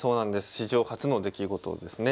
史上初の出来事ですね。